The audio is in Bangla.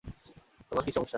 তোমার কি সমস্যা?